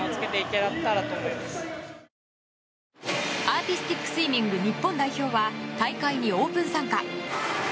アーティスティックスイミング日本代表は大会にオープン参加。